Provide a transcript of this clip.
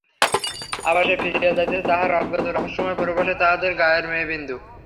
আবার সে ফিরিয়া যাইতেছে তাহার অজ্ঞাত রহস্যময় প্রবাসে, তাদের গাঁয়ের মেয়ে বিন্দু।